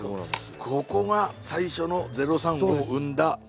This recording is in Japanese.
ここが最初の０３を生んだ。